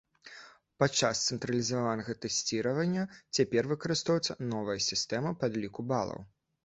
Падчас цэнтралізаванага тэсціравання цяпер выкарыстоўваецца новая сістэма падліку балаў.